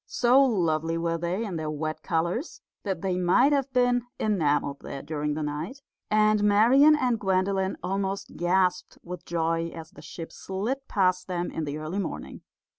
So lovely were they in their wet colours that they might have been enamelled there during the night, and Marian and Gwendolen almost gasped with joy as the ship slid past them in the early morning.